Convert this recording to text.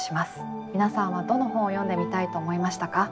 皆さんはどの本を読んでみたいと思いましたか？